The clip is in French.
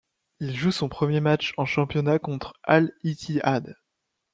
Il joue son premier match en championnat contre Al Ittihad.